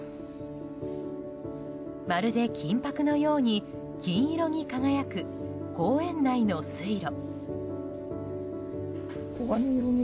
まるで金箔のように金色に輝く公園内の水路。